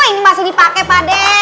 ini masih dipake pade